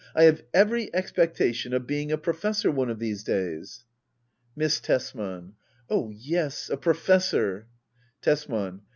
I have every expectation of being a professor one of these days. Miss Tbsman. Oh yes, a professor Tbsman.